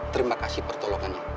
terima kasih pertolongannya